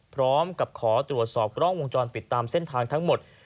พร้อมกับขอตรวจสอบกล้องวงจรปิดตามเส้นทางทั้งหมด